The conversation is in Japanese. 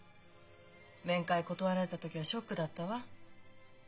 面会断られた時はショックだったわ。